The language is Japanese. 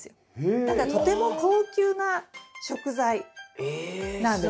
だからとても高級な食材なんです。